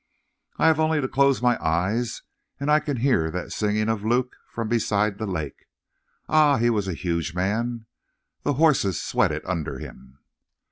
I have only to close my eyes, and I can hear that singing of Luke from beside the lake. Ah, he was a huge man! The horses sweated under him.